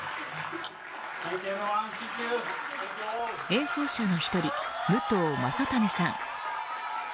演奏者の１人武藤将胤さん。